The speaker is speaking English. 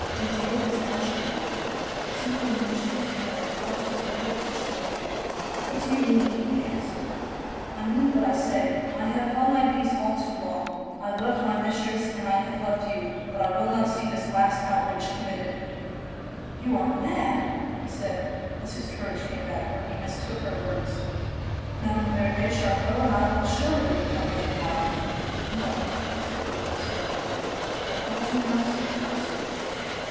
Didet was ashen now. Something in Eugenia's manner caused his blood to chill. ' What do you mean ?' he gasped. ' I mean what I say. I have held my peace all too long. THE CRIME OF THE RUE AUBER 305 I loved my mistress, and I have loved you, but I will not see this last outrage committed.' ' You are mad !' he said, as his courage came back, for he mistook her words. ' Madame veuve Charcot and I will assuredly become man and wife.' ' No,' said the woman sternly, ' for I'll denounce you first.'